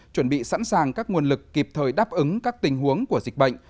chuẩn bị sẵn sàng các nguồn lực kịp thời đáp ứng các tình huống của dịch bệnh